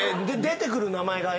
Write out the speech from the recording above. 出てくる名前が。